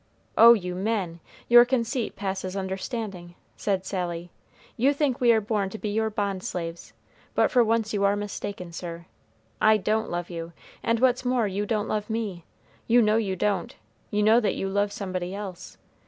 "Oh, you men! your conceit passes understanding," said Sally. "You think we are born to be your bond slaves, but for once you are mistaken, sir. I don't love you; and what's more, you don't love me, you know you don't; you know that you love somebody else.